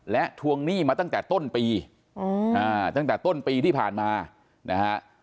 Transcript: และทวงหนี้มาตั้งแต่ต้นปีตั้งแต่ต้นปีที่ผ่านมานะฮะ